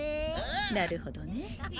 なるほどね。